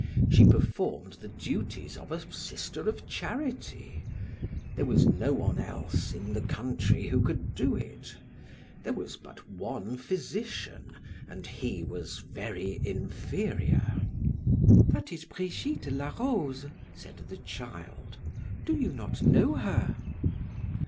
She performed the duties of a sister of charity there was no one else in the country who could do it; there was but one physician, and he was very inferior. "That is Brigitte la Rose," said the child; "do you not know her?"